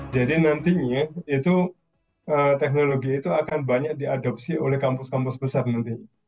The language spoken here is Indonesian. jadi nantinya teknologi itu akan banyak diadopsi oleh kampus kampus besar nantinya